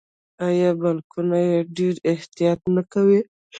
آیا بانکونه یې ډیر احتیاط نه کوي؟